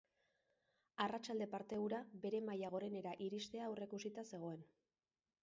Arratsalde parte ura bere maila gorenera iristea aurreikusita zegoen.